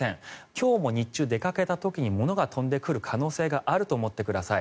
今日も日中、出かけた時に物が飛んでくる可能性があると思ってください。